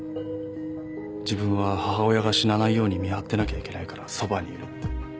自分は母親が死なないように見張ってなきゃいけないからそばにいるって。